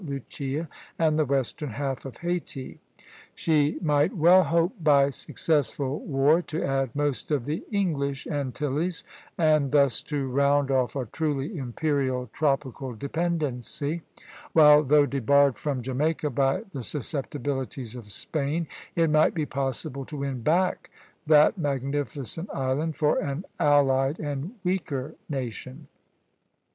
Lucia and the western half of Hayti. She might well hope by successful war to add most of the English Antilles, and thus to round off a truly imperial tropical dependency; while, though debarred from Jamaica by the susceptibilities of Spain, it might be possible to win back that magnificent island for an allied and weaker nation.